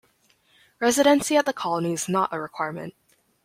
Residency at the colony is not a requirement.